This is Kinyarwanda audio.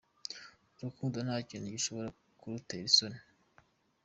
Urukundo nta kintu gishobora kurutera isoni.